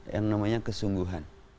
yang namanya kesungguhan